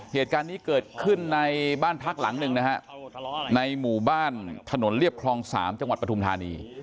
เหตุการณ์นี้เกิดขึ้นในบ้านพักหลังหนึ่งนะฮะในหมู่บ้านถนนเรียบคลอง๓จังหวัดปฐุมธานี